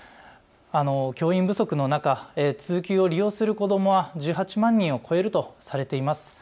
教員不足の中、通級を利用する子どもは１８万人を超えるとされています。